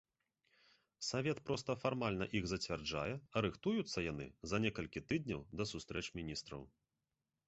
Савет проста фармальна іх зацвярджае, а рыхтуюцца яны за некалькі тыдняў да сустрэч міністраў.